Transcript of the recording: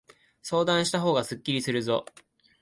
相談したほうがすっきりするぞ。